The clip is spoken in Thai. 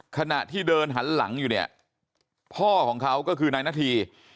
ขณะที่เดินหันหลังอยู่เนี่ยพ่อของเขาก็คือนายนาธี